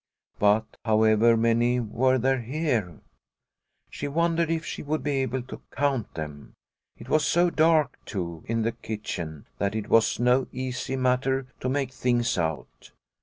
But however many were there here ? She wondered if she would be able to count them. It was so dark, too, in the kitchen that it was no easy matter to make things out.